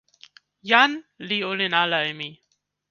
jan li olin ala e mi.